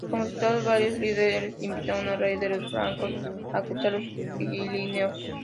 Como resultado, varios líderes invitaron al rey de los francos a cruzar los Pirineos.